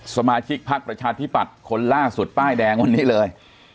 สมาชิกพักประชาธิปัตย์คนล่าสุดป้ายแดงวันนี้เลย